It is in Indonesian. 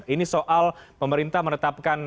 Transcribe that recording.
ini soal pemerintah menetapkan